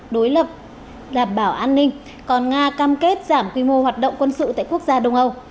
đối lập đảm bảo an ninh còn nga cam kết giảm quy mô hoạt động quân sự tại quốc gia đông âu